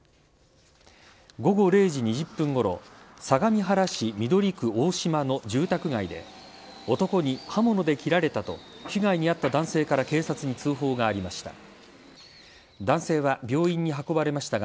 午後０時２０分ごろ相模原市緑区大島の住宅街で男に刃物で切られたと被害に遭った男性から警察に通報がありました。